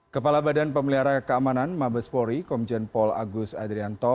kepala badan pemelihara keamanan mabes polri komjen paul agus adrianto